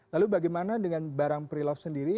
lalu bagaimana dengan barang pre love sendiri